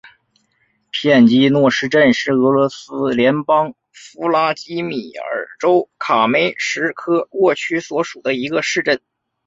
片基诺市镇是俄罗斯联邦弗拉基米尔州卡梅什科沃区所属的一个市镇。